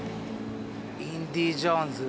「インディー・ジョーンズ」。